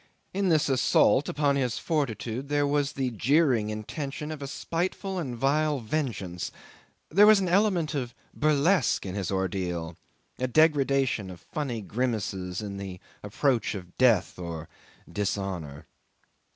In this assault upon his fortitude there was the jeering intention of a spiteful and vile vengeance; there was an element of burlesque in his ordeal a degradation of funny grimaces in the approach of death or dishonour.